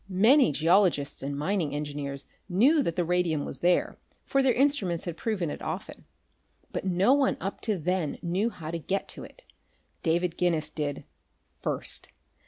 Many geologists and mining engineers knew that the radium was there, for their instruments had proven it often; but no one up to then knew how to get to it. David Guinness did first.